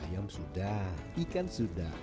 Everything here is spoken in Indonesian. ayam sudah ikan sudah